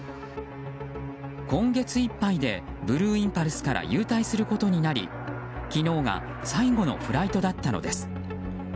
今月いっぱいでブルーインパルスから勇退することになり昨日が最後のフライトだったのです。